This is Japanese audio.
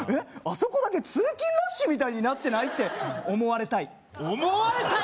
そこだけ通勤ラッシュみたいになってない？って思われたい思われたい！？